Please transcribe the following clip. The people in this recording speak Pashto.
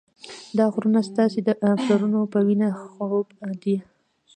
دا غرونه ستاسې د پلرونو په وینه خړوب دي.